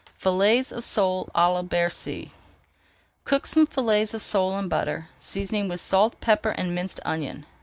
FILLETS OF SOLE À LA BERCY Cook some fillets of sole in butter, seasoning with salt, pepper, and minced onion.